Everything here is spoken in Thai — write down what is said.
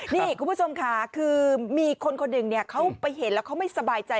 นี่คุณผู้ชมค่ะคือมีคนคนหนึ่งเขาไปเห็นแล้วเขาไม่สบายใจ